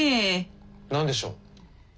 何でしょう？